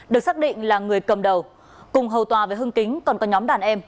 được xác định là người cầm đầu cùng hầu tòa với hưng kính còn có nhóm đàn em